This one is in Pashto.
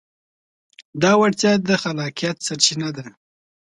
دا وړتیا د خلاقیت سرچینه ده.